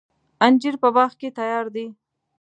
انجیر په باغ کې تیار دی.